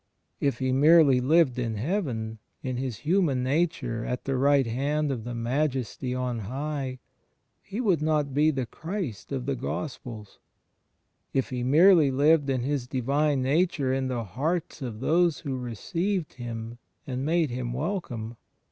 If He merely lived in Heaven, in His Human Nature at the right hand of the Majesty on high. He would not be the Christ of the Gospels. If He merely lived in His Divine Nature in the hearts of those who received Him and made Him welcome.